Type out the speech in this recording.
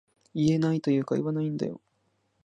言えないというか言わないんだよ